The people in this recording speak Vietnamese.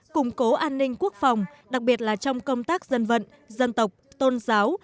củng cố an ninh quốc phòng đặc biệt là trong công tác dân vận dân tộc tôn giáo